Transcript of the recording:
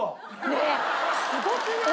ねえすごくない？